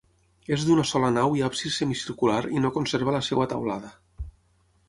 És d'una sola nau i absis semicircular i no conserva la seva teulada.